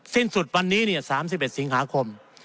สิ้นสุดวันนี้๓๑สิงหาคม